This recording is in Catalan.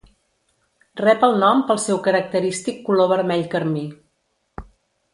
Rep el nom pel seu característic color vermell carmí.